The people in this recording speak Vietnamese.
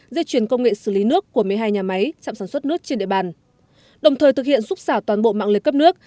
việc xử lý nước của một mươi hai nhà máy sạm sản xuất nước trên địa bàn đồng thời thực hiện xúc xảo toàn bộ mạng lệ cấp nước